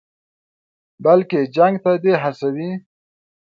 بلکې جنګ ته دې هڅوي.